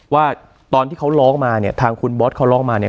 ว่าตอนที่เขาร้องมาเนี่ยทางคุณบอสเขาร้องมาเนี่ย